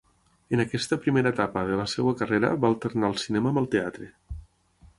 En aquesta primera etapa de la seva carrera va alternar el cinema amb el teatre.